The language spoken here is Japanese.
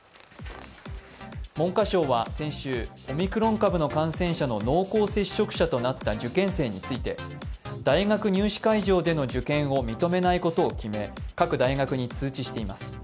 文科省は先週、オミクロン株の感染者の濃厚接触者となった受験生について、大学入試会場での受験を認めないことを決め、各大学に通知しています。